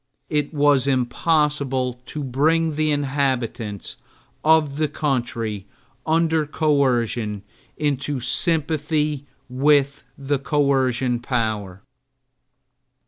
It was impossible to bring the inhabitants of the country under coercion into sympathy with the coercion power.